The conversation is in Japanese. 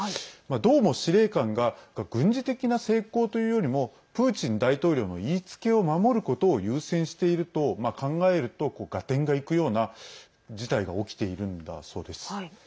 どうも、司令官が軍事的な成功というよりもプーチン大統領の言いつけを守ることを優先していると考えると、合点がいくような事態が起きているんだそうです。